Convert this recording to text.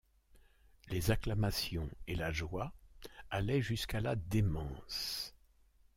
Les acclamations et la joie allaient jusqu’à la démence.